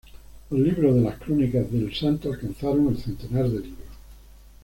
Los libros de las crónicas del El Santo alcanzaron el centenar de libros.